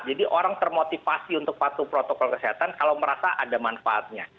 jadi orang termotivasi untuk patuh protokol kesehatan kalau merasa ada manfaatnya